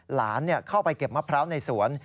หลานเข้าไปเก็บมะพร้าวในสวน